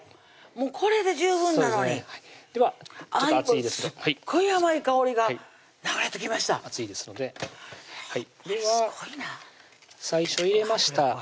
もうこれで十分なのにではすごい甘い香りが流れてきました熱いですのでやっぱりすごいな最初入れました